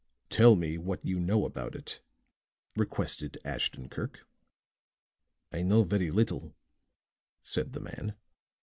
"Tell me what you know about it," requested Ashton Kirk. "I know very little," said the man.